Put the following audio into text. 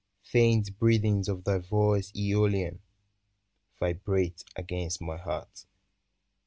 Faint breathings of thy voice seolian Vibrate against my heart.